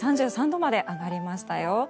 ３３度まで上がりましたよ。